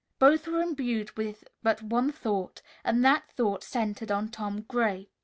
Both were imbued with but one thought and that thought centered on Tom Gray.